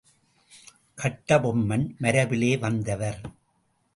கட்டபொம்மன் மரபிலே வந்தவர்.